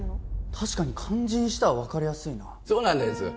確かに漢字にしたら分かりやすいなそうなんです